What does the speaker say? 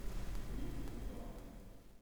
Oui ou non.